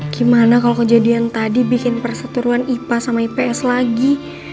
gimana kalau kejadian tadi bikin perseturuan ipa sama ips lagi